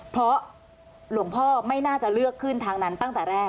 เพราะหลวงพ่อไม่น่าจะเลือกขึ้นทางนั้นตั้งแต่แรก